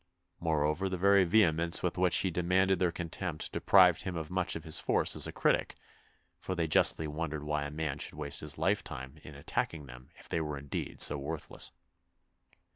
Moreover, the very vehemence with which he demanded their contempt deprived him of much of his force as a critic, for they justly wondered why a man should waste his lifetime in attacking them if they were indeed so worthless.